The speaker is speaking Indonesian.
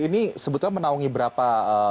ini sebetulnya menaungi berapa